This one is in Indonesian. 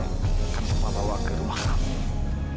iya kan papa bawa ke rumah kamu